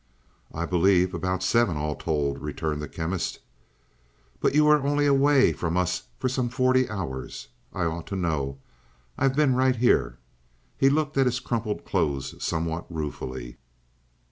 "I believe about seven, all told," returned the Chemist. "But you were only away from us some forty hours. I ought to know, I've been right here." He looked at his crumpled clothes somewhat ruefully.